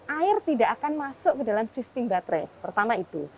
air tidak akan masuk ke dalam sistem baterai pertama itu